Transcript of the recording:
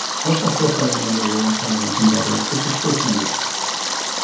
Os hoffech gael y manylion pan fyddant yn barod, cysylltwch â mi